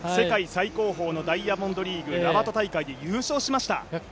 最高峰のダイヤモンドリーグ大会で優勝しました。